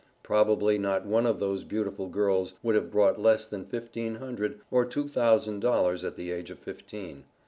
Probably not one of those beautiful girls would have brought less than fifteen hundred or two thousand dollars at the age of fifteen.